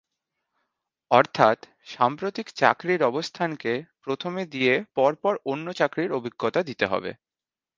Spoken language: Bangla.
অর্থাৎ সাম্প্রতিক চাকরির অবস্থানকে প্রথমে দিয়ে পর পর অন্য চাকরির অভিজ্ঞতা দিতে হবে।